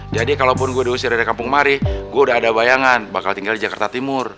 jadi kalaupun gue diusir dari kampung mari gue udah ada bayangan bakal tinggal di jakarta timur